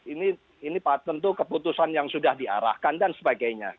ini tentu keputusan yang sudah diarahkan dan sebagainya